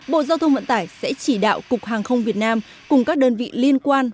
bộ giao thông vận tải sẽ chỉ đạo cục hàng không việt nam cùng các đơn vị liên quan